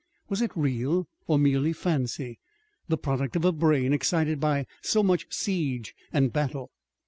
Was it real or merely fancy, the product of a brain excited by so much siege and battle?